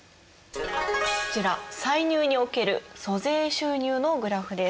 こちら歳入における租税収入のグラフです。